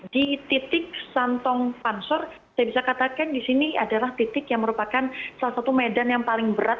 di titik santong pansor saya bisa katakan di sini adalah titik yang merupakan salah satu medan yang paling berat